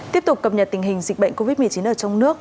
tiếp tục cập nhật tình hình dịch bệnh covid một mươi chín ở trong nước